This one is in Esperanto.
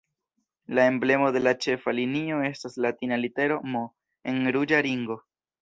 La emblemo de la ĉefa linio estas latina litero "M" en ruĝa ringo.